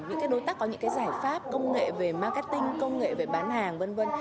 những đối tác có những giải pháp công nghệ về marketing công nghệ về bán hàng v v